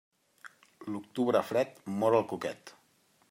L'octubre fred, mor el cuquet.